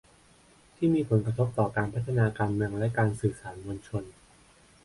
ที่มีผลกระทบต่อการพัฒนาการเมืองและการสื่อสารมวลชน